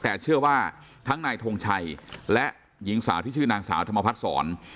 แต่เชื่อว่าทั้งนายทงชัยและหญิงสาวที่ชื่อนางสาวธรรมพัฒนศร